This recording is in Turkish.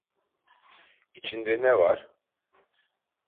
İçinde ne var?